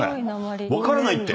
分からないって。